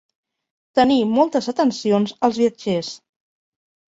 Tenir moltes atencions als viatgers.